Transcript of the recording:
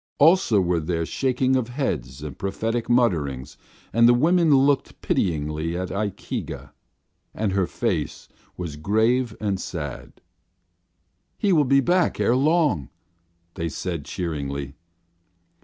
Also were there shaking of heads and prophetic mutterings, and the women looked pityingly at Ikeega, and her face was grave and sad. "He will be back ere long," they said cheeringly.